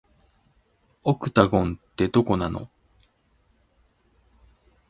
オクタゴンって、どこなの